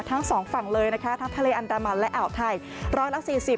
ทั้งสองฝั่งเลยนะคะทั้งทะเลอันดามันและแอ่วไทย